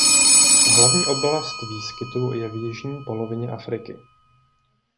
Hlavní oblast výskytu je v jižní polovině Afriky.